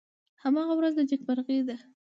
هماغه ورځ د نیکمرغۍ ده .